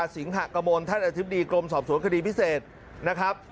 สิงหะกมลท่านอธิบดีกรมสอบสวนคดีพิเศษนะครับ